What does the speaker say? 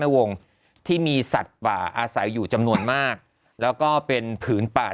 วงที่มีสัตว์ป่าอาศัยอยู่จำนวนมากแล้วก็เป็นผืนป่า